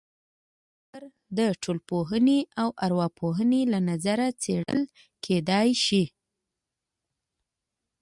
فقر د ټولنپوهنې او ارواپوهنې له نظره څېړل کېدای شي.